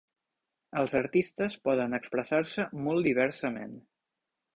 Els artistes poden expressar-se molt diversament.